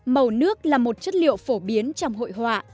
màu nước là một chất liệu phổ biến trong hội họa